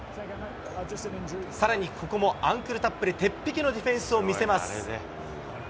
さらにここもアンクルタップで鉄壁のディフェンスを見せます。